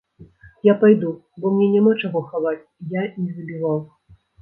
Я пайду, бо мне няма чаго хаваць, я не забіваў.